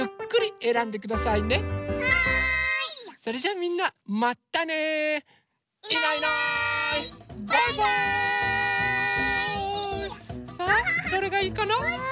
さあどれがいいかな？